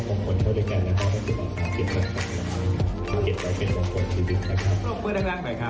แล้วตอนนี้นะคะเราก็อยู่ใกล้ชิดกับปรักษามากเลยนะคะ